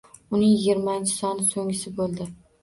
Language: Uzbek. Uning yigirmanchi soni so'nggisi bo'ldi.